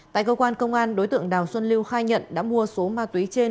tại cơ quan công an đối tượng đào xuân lưu khai nhận đã mua số ma túy trên